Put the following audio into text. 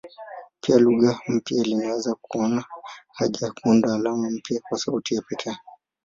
Pia lugha mpya iliweza kuona haja ya kuunda alama mpya kwa sauti ya pekee.